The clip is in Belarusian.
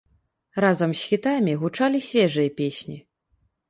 Разам з хітамі гучалі свежыя песні.